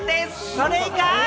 それが。